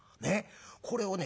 これをね